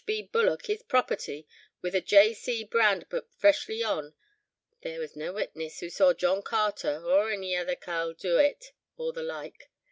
B. bullock, his property, with a J.C. brand put freshly on, there was nae witness who saw John Carter or any ither carle do it or the like.